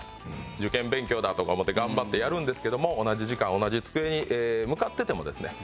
受験勉強だとか思って頑張ってやるんですけども同じ時間同じ机に向かっててもですね